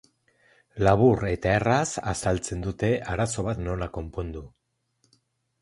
Labur eta erraz azaltzen dute arazo bat nola konpondu.